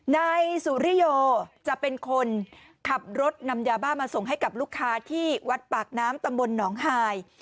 นายสุริโยจะเป็นคนขับรถนำยาบ้ามาส่งให้กับลูกค้าที่วัดปากน้ำตำบลหนองหาย